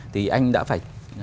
thì anh đã phải